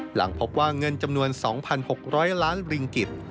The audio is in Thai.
หลังพบว่าเงินจำนวน๒๖๐๐ล้านริงกิจ